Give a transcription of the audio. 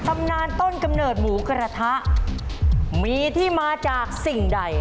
มีที่มาจากสิ่งใด